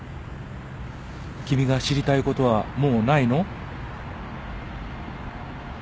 君が知りたいことはもうないの？